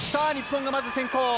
日本が、まず先行。